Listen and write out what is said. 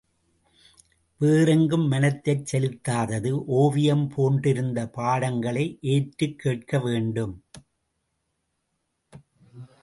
வேறெங்கும் மனத்தைச் செலுத்தாது ஓவியம் போன்றிருந்து பாடங்களை ஏற்றுக் கேட்க வேண்டும்.